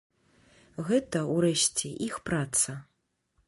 Гэта, урэшце, іх праца.